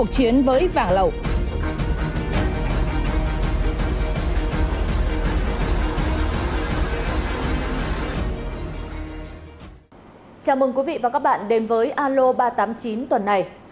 chào mừng quý vị và các bạn đến với alo ba trăm tám mươi chín tuần này